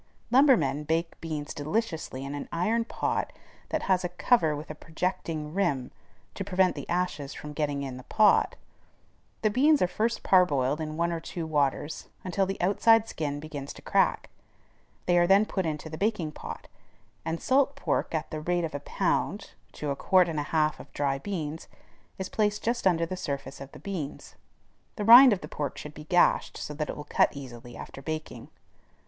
Lumbermen bake beans deliciously in an iron pot that has a cover with a projecting rim to prevent the ashes from getting in the pot. The beans are first parboiled in one or two waters until the outside skin begins to crack. They are then put into the baking pot, and salt pork at the rate of a pound to a quart and a half of dry beans is placed just under the surface of the beans. The rind of the pork should be gashed so that it will cut easily after baking.